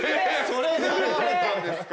それで現れたんですか？